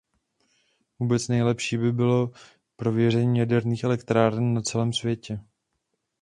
Vůbec nejlepší by bylo prověření jaderných elektráren na celém světě.